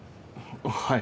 はい